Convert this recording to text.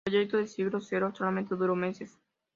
El proyecto de Siglo Cero solamente duró meses.